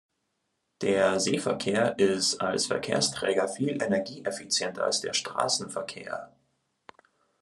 Der Seeverkehr ist als Verkehrsträger viel energieeffizienter als der Straßenverkehr.